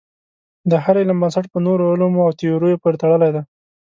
د هر علم بنسټ په نورو علومو او تیوریو پورې تړلی دی.